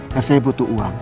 dan saya butuh uang